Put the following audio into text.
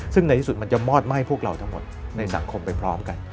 ซึ่งในที่สุดมันจะมอดไหม้พวกเราทั้งหมดในสังคมไปพร้อมกัน